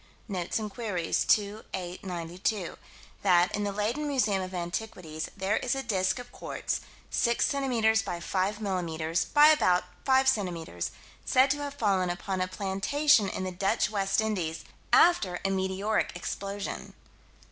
Notes and Queries, 2 8 92: That, in the Leyden Museum of Antiquities, there is a disk of quartz: 6 centimeters by 5 millimeters by about 5 centimeters; said to have fallen upon a plantation in the Dutch West Indies, after a meteoric explosion.